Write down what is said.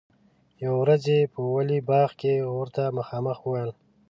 یوه ورځ یې په ولي باغ کې ورته مخامخ وویل.